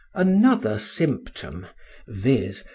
Another symptom—viz.